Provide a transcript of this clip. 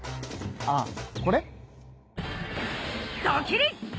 ああこれ？